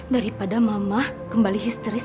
daripada mama kembali histeris